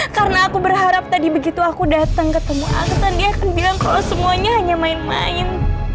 karena aku berharap tadi begitu aku dateng ketemu aksan dia akan bilang kalo semuanya hanya main main